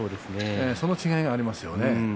その違いがあります。